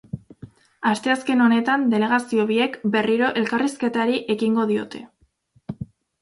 Asteazken honetan delegazio biek berriro elkarrizketari ekingo diote.